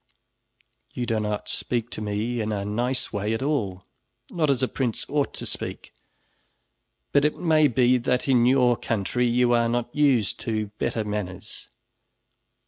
"You do not speak to me in a nice way at all, not as a prince ought to speak, but it may be that in your country you are not used to better manners.